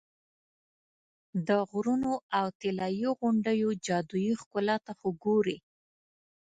د غرونو او طلایي غونډیو جادویي ښکلا ته خو ګورې.